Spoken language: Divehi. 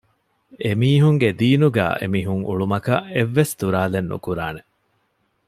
އެމީހުންގެ ދީނުގައި އެމިހުން އުޅުމަކަށް އެއްވެސް ތުރާލެއް ނުކުރާނެ